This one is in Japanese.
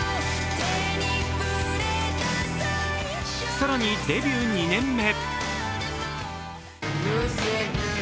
更に、デビュー２年目。